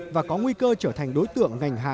và có nguy cơ trở thành đối với việt nam